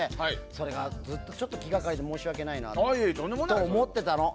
それが、ずっと気がかりで申し訳ないなと思ってたの。